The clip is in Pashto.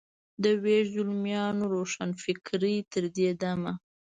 د ویښ زلمیانو روښانفکرۍ تر دې دمه.